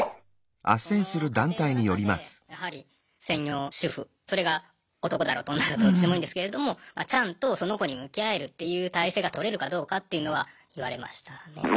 その家庭の中でやはり専業主婦それが男だろうと女だろうとどっちでもいいんですけれどもちゃんとその子に向き合えるっていう体制が取れるかどうかっていうのは言われましたね。